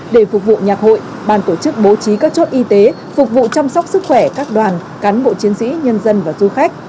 để phục vụ nhạc hội bàn tổ chức bố trí các chốt y tế phục vụ chăm sóc sức khỏe các đoàn cán bộ chiến sĩ nhân dân và du khách